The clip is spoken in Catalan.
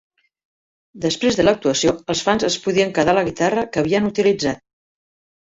Després de l'actuació, els fans es podien quedar la guitarra que havien utilitzat.